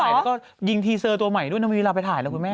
แล้วก็ยิงทีเซอร์ตัวใหม่ด้วยนะมีเวลาไปถ่ายแล้วคุณแม่